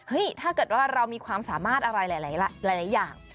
ถ้าเกิดว่าเรามีความสามารถอะไรหลายอย่าง